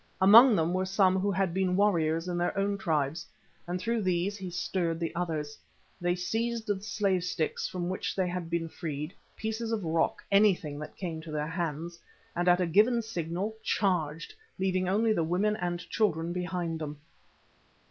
Among them were some who had been warriors in their own tribes, and through these he stirred the others. They seized the slave sticks from which they had been freed, pieces of rock, anything that came to their hands, and at a given signal charged, leaving only the women and children behind them.